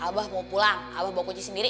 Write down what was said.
abah mau pulang abah bawa kuci sendiri